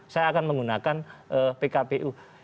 saya akan menggunakan pkpu